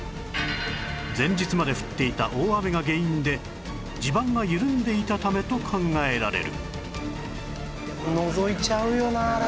前日まで降っていた大雨が原因で地盤が緩んでいたためと考えられる